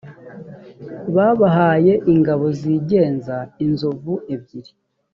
babahaye ingabo zigenza inzovu ebyiri